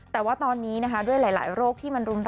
แต่ว่าตอนนี้นะคะด้วยหลายโรคที่มันรุนแรง